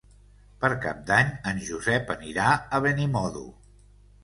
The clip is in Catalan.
Per Cap d'Any en Josep anirà a Benimodo.